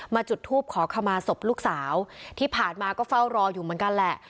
จุดทูปขอขมาศพลูกสาวที่ผ่านมาก็เฝ้ารออยู่เหมือนกันแหละ